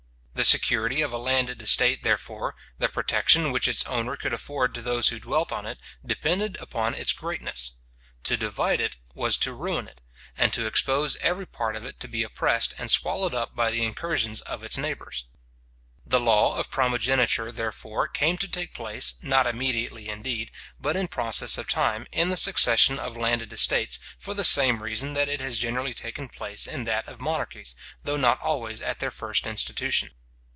The security of a landed estate, therefore, the protection which its owner could afford to those who dwelt on it, depended upon its greatness. To divide it was to ruin it, and to expose every part of it to be oppressed and swallowed up by the incursions of its neighbours. The law of primogeniture, therefore, came to take place, not immediately indeed, but in process of time, in the succession of landed estates, for the same reason that it has generally taken place in that of monarchies, though not always at their first institution.